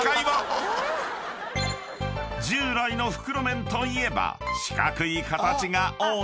［従来の袋麺といえば四角い形が多いが］